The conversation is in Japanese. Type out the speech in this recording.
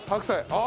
ああ。